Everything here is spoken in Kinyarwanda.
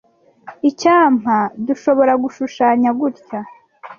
Icyampa nkdushoboragushushanya gutya.